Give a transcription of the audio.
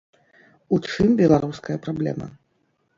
У чым беларуская праблема?